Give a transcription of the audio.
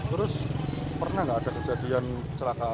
terus pernah nggak ada kejadian celaka